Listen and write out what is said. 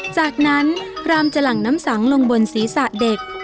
จากนั้นพรามจะหลั่งน้ำสังลงบนศีรษะเด็ก